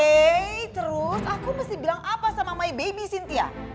yeay terus aku mesti bilang apa sama my baby cynthia